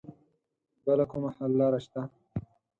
بله کومه حل لاره شته